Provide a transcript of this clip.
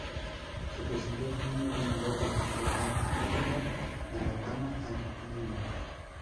Se presentó como un álbum doble junto con "Yendo de la cama al living".